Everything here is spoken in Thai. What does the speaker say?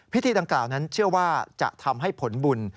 พิธีดังกล่าวนั้นเชื่อว่าจะทำให้ผลบุญ